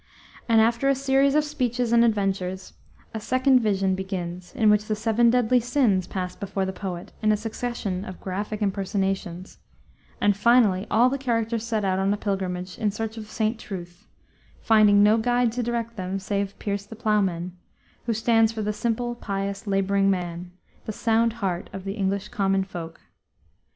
and after a series of speeches and adventures, a second vision begins in which the seven deadly sins pass before the poet in a succession of graphic impersonations, and finally all the characters set out on a pilgrimage in search of St. Truth, finding no guide to direct them save Piers the Plowman, who stands for the simple, pious laboring man, the sound heart of the English common folk.